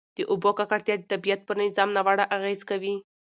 د اوبو ککړتیا د طبیعت پر نظام ناوړه اغېز کوي.